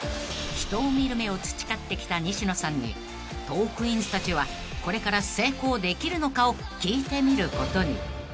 ［人を見る目を培ってきた西野さんにトークィーンズたちはこれから成功できるのかを聞いてみることに］